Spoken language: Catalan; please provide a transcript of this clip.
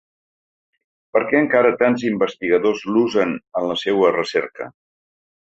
Per què encara tants investigadors l’usen en la seua recerca?